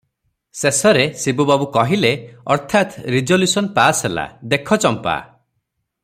ଶେଷରେ ଶିବୁ ବାବୁ କହିଲେ, ଅର୍ଥାତ୍ ରିଜଲ୍ୟୁଶନ୍ ପାସ ହେଲା - "ଦେଖ ଚମ୍ପା!